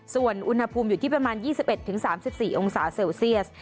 ส่วนอุณหภูมิอยู่ที่ประมาณ๒๑๓๔องศาเซลเซียส